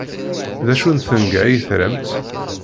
D acu n tenga ay tramt?